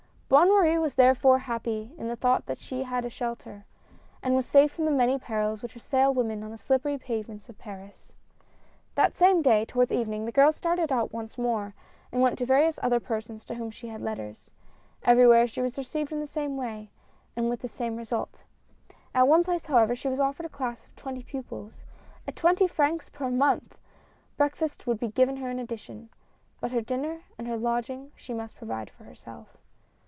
Bonne Marie was therefore happy in the thought that she had a shelter, and was safe from the many perils which assail women on the slippery pavements of Paris. That same day, towards evening, the girl started out once more, and went to various other persons to whom she had letters. Everywhere she was received in the same way and with the same result. At one place, however, she was offered a class of twenty pupils, at twenty francs per month ! Breakfast would be given her in addition, but her dinner and her lodging she must provide for herself.